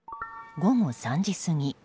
午後３時過ぎ。